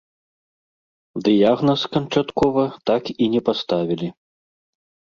Дыягназ канчаткова так і не паставілі.